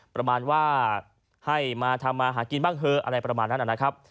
ประมาณว่าให้มาทำมาหากินบ้างเถอะอะไรประมาณนั้นนะครับ